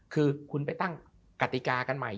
คือคุณไปตั้งกติกากันใหม่